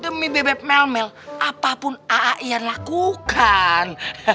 demi bebek melmel apapun aai yang lakukan